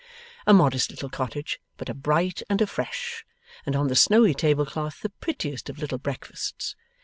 A modest little cottage but a bright and a fresh, and on the snowy tablecloth the prettiest of little breakfasts.